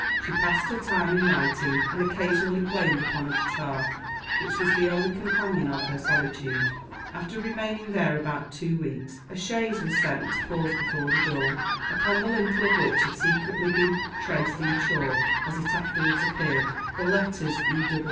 She passed her time in writing, and occasionally playing upon a guitar, which was the only companion of her solitude. After remaining there about two weeks a chaise was seen to pause before the door, upon the lintel of which had secretly been traced in chalk, as it afterwards appeared, the letters "E.